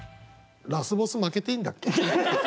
ラスボス負けていいんだっけ？